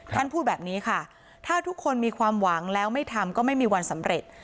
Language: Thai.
ท่านพูดแบบนี้ค่ะถ้าทุกคนมีความหวังแล้วไม่ทำก็ไม่มีวันสำเร็จ